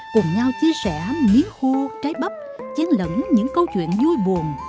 cùng nhau chia sẻ miếng khô trái bắp chén lẫn những câu chuyện vui buồn